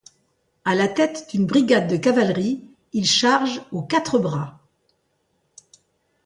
À la tête d'une brigade de cavalerie, il charge aux Quatre Bras.